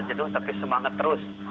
jaduh tapi semangat terus